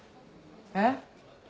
えっ？